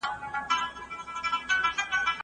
د ناروغۍ په وروستیو پړاوونو کې د بدن غړي ضعیف کېږي.